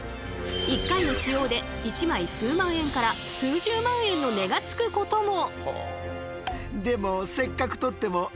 一回の使用で１枚数万円数十万円の値がつくことも。